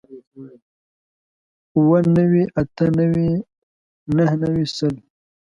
اووه نوي اتۀ نوي نهه نوي سل